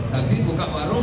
tapi bukan warung